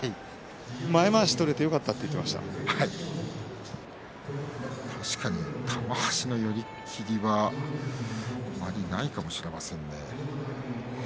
前まわし取れてよかったと言って玉鷲の寄り切りはあまりないかもしれませんね。